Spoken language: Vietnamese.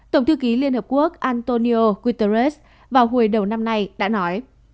tổng thư ký liên hợp quốc antonio guterres vào hồi đầu năm nay đã nói